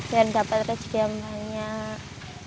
dapat rezeki yang banyak